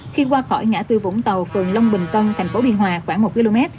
khi qua khỏi ngã tư vũng tàu phường long bình tân thành phố biên hòa khoảng một km